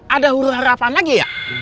ada urara apa lagi ya